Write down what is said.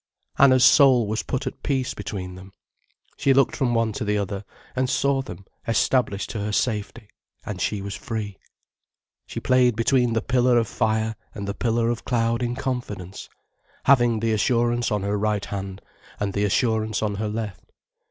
Anna's soul was put at peace between them. She looked from one to the other, and she saw them established to her safety, and she was free. She played between the pillar of fire and the pillar of cloud in confidence, having the assurance on her right hand and the assurance on her left.